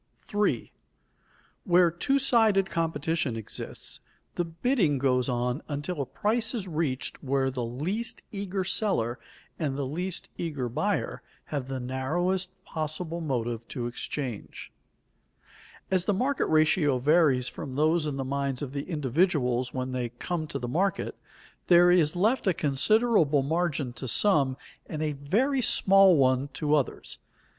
[Sidenote: The margin of advantage and the marginal pair] 3. _Where two sided competition exists, the bidding goes on until a price is reached where the least eager seller and the least eager buyer have the narrowest possible motive to exchange_. As the market ratio varies from those in the minds of the individuals when they come to the market, there is left a considerable margin to some and a very small one to others.